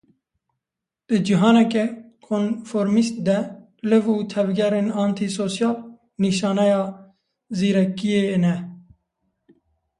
Di cîhaneke konformîst de liv û tevgerên antî-sosyal, nîşaneya zîrekiyê ne.